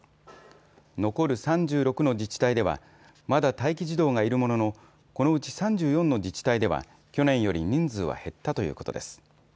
残る３６の自治体では、まだ待機児童がいるものの、このうち３４の自治体では、去年より人数は減ったということです。